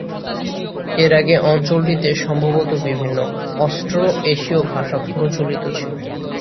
এর আগে অঞ্চলটিতে সম্ভবত বিভিন্ন অস্ট্রো-এশীয় ভাষা প্রচলিত ছিল।